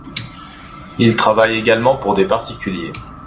Il travaille également pour des particuliers.